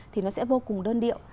thì nó sẽ vô cùng đơn điệu